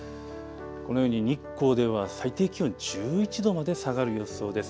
このように日光では最低気温１１度まで下がる予想です。